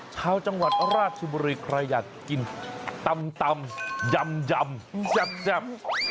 ชาวจังหวัดราชบุรีใครอยากกินตำยำแซ่บ